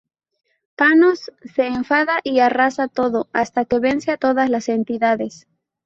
Thanos se enfada y arrasa todo, hasta que vence a todas la entidades.